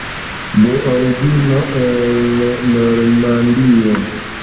De origino el Normandio.